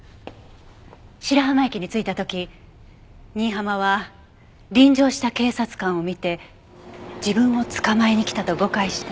白浜駅に着いた時新浜は臨場した警察官を見て自分を捕まえに来たと誤解した。